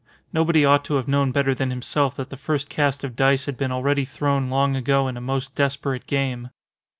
Nobody ought to have known better than himself that the first cast of dice had been already thrown long ago in a most desperate game.